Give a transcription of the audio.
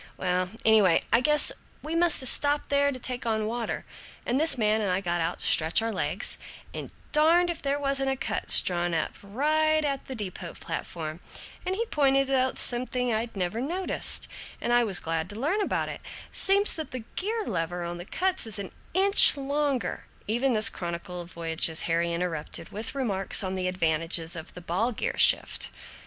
well, anyway, I guess we must have stopped there to take on water, and this man and I got out to stretch our legs, and darned if there wasn't a Kutz drawn right up at the depot platform, and he pointed out something I'd never noticed, and I was glad to learn about it: seems that the gear lever in the Kutz is an inch longer " Even this chronicle of voyages Harry interrupted, with remarks on the advantages of the ball gear shift.